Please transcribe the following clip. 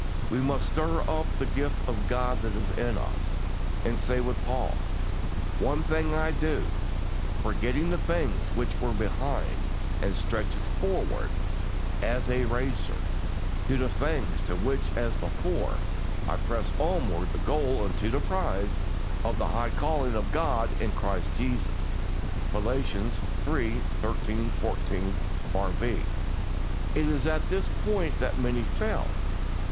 We must stir up the gift of God that is in us, and say with Paul, "One thing I do, forgetting the things which are behind, and stretching forward" (as a racer) "to the things which are before, I press on toward the goal unto the prize of the high calling of God in Christ Jesus" (Phil. iii. 13, 14, R.V.). It is at this point that many fail.